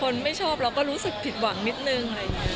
คนไม่ชอบเราก็รู้สึกผิดหวังนิดนึง